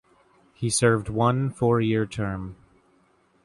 He served one four-year term.